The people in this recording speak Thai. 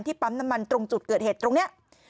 ปั๊มน้ำมันตรงจุดเกิดเหตุตรงนี้